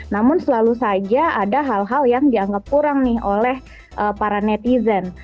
namun selalu saja ada hal hal yang dianggap kurang nih oleh para netizen